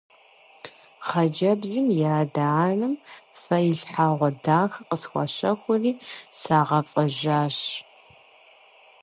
Хъыджэбзым и адэ-анэм фэилъхьэгъуэ дахэ къысхуащэхури сагъэфӀэжащ.